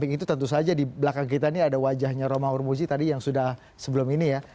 itu tentu saja di belakang kita ini ada wajahnya roma urmuzi tadi yang sudah sebelum ini ya